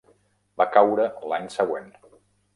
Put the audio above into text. Va caure l'any següent.